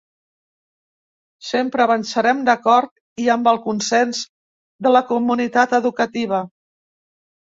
Sempre avançarem d’acord i amb el consens de la comunitat educativa.